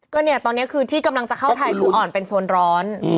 ก็เนี่ยตอนนี้คือที่กำลังจะเข้าไทยคืออ่อนเป็นโซนร้อน